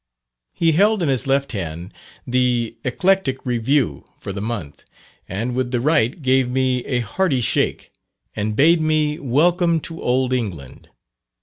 He held in his left hand the Eclectic Review for the month, and with the right gave me a hearty shake, and bade me "Welcome to old England."